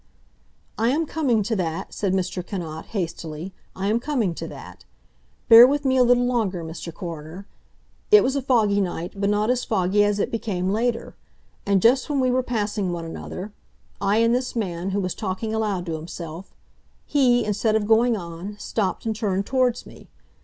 "I am coming to that!" said Mr. Cannot hastily. "I am coming to that! Bear with me a little longer, Mr. Coroner. It was a foggy night, but not as foggy as it became later. And just when we were passing one another, I and this man, who was talking aloud to himself—he, instead of going on, stopped and turned towards me.